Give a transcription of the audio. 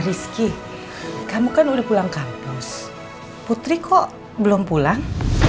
rizky kamu kan udah pulang kampus putri kok belum pulang